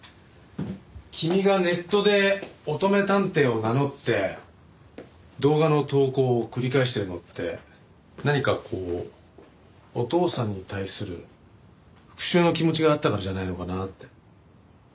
君がネットで乙女探偵を名乗って動画の投稿を繰り返してるのって何かこうお父さんに対する復讐の気持ちがあったからじゃないのかなって。